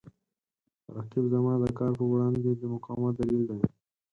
رقیب زما د کار په وړاندې د مقاومت دلیل دی